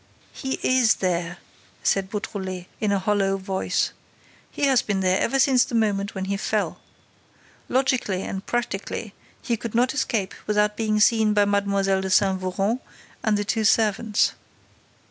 "He is there," said Beautrelet, in a hollow voice. "He has been there ever since the moment when he fell. Logically and practically, he could not escape without being seen by Mlle. de Saint Véran and the two servants."